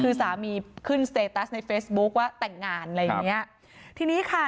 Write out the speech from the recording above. คือสามีขึ้นสเตตัสในเฟซบุ๊คว่าแต่งงานอะไรอย่างเงี้ยทีนี้ค่ะ